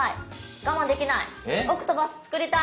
我慢できない。